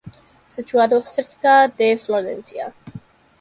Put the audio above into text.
Situado cerca de Florencia.